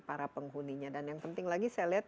para penghuninya dan yang penting lagi saya lihat